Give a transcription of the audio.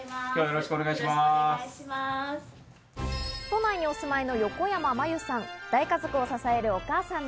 都内にお住まいの横山まゆさん。